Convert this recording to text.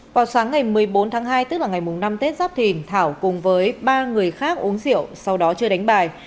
vào sáng ngày một mươi bốn tháng hai tức là ngày năm tết giáp thìn thảo cùng với ba người khác uống rượu sau đó chưa đánh bài